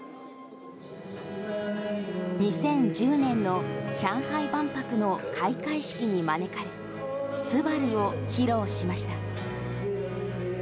２０１０年の上海万博の開会式に招かれ「昴」を披露しました。